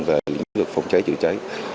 về lĩnh vực phòng cháy chữa cháy